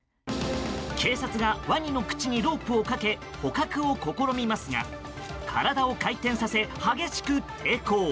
警察がワニの口にロープをかけ捕獲を試みますが体を回転させ激しく抵抗。